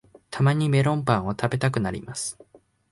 たまにメロンパンを食べたくなります